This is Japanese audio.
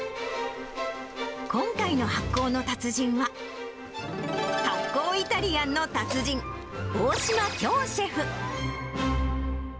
今回の発酵の達人は、発酵イタリアンの達人、大島今日シェフ。